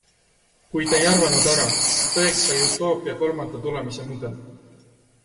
Kuid ei arvanud ära, tõeks sai utoopia kolmanda tulemise mudel.